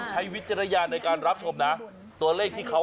ไม่ส่วนแล้วดูบ้านเลขที่อ้าว